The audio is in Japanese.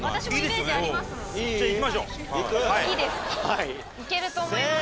いけると思います。